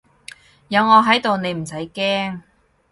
有我喺度你唔使驚